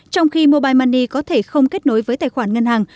trong khi mobile money có thể không kết nối với tài khoản ngân hàng